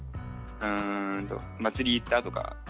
うんと「祭り行った？」とか。